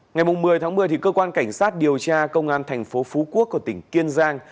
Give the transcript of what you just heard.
ngày một mươi tháng một mươi cơ quan cảnh sát điều tra công an thành phố phú quốc của tỉnh kiên giang